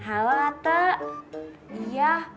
kalau sama barat